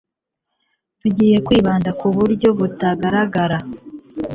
Tugiye Kwibanda ku buryo butagaragara